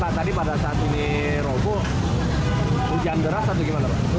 pak tadi pada saat ini robo hujan deras atau gimana pak